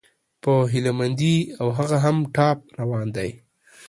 په هيله مندي، او هغه هم ټاپ روان دى